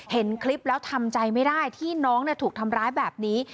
เห็นคลิปแล้วทำใจไม่ได้ที่น้องถูกทำร้ายแบบนี้